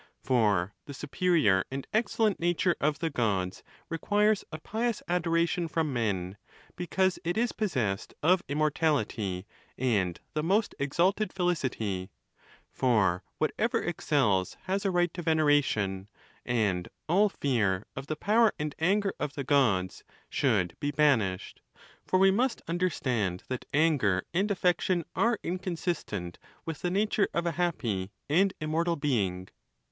M For the supel'ior and excellent nature of the Gods re quires a pious adoration from men, because it is possessed of immortality and the most exalted felicity; for whatever excels has a right to veneration, and all feai'of the power and anger of the Gods should be banished; for we must understand that anger and affection are inconsistent with the nature of a happy and immortal being.